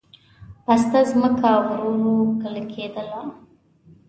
پسته ځمکه ورو ورو کلکېدله.